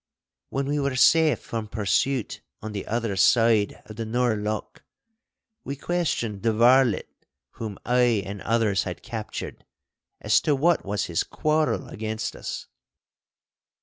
When we were safe from pursuit on the other side of the Nor' Loch, we questioned the varlet whom I and others had captured, as to what was his quarrel against us.